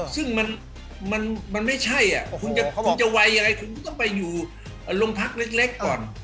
ซึ่งมันไม่ใช่คุณจะไวอะไรคุณต้องไปอยู่โรงพักเล็กก่อน